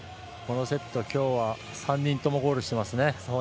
このセット、きょうは３人ともゴールしてますね。